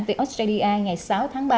từ australia ngày sáu tháng ba